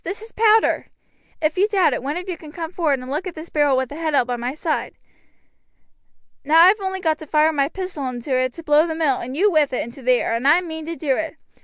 This is powder. If you doubt it, one of you can come forward and look at this barrel with the head out by my side. Now I have only got to fire my pistol into it to blow the mill, and you with it, into the air, and I mean to do it.